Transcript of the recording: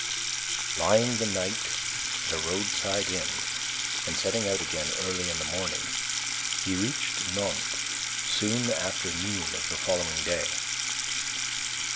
Lying the night at a roadside inn, and setting out again early in the morning, he reached Nantes soon after noon of the following day.